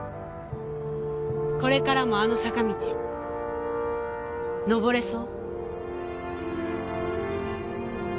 これからもあの坂道のぼれそう？